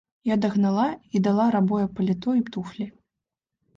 Я дагнала і дала рабое паліто і туфлі.